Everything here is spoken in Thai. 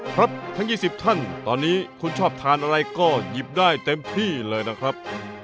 ครับทั้ง๒๐ท่านตอนนี้คุณชอบทานอะไรก็หยิบได้เต็มที่เลยนะครับ